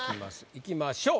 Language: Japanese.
いきましょう。